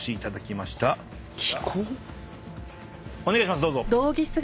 お願いします。